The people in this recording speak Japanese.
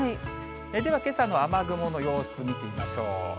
では、けさの雨雲の様子見てみましょう。